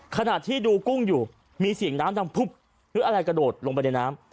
ขณะที่ดูกุ้งอยู่มีเสียงน้ำดังพุบหรืออะไรกระโดดลงไปในน้ำ